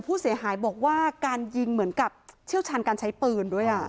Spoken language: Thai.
ผู้เสียหายบอกว่าการยิงเหมือนกับเชี่ยวชาญการใช้ปืนด้วย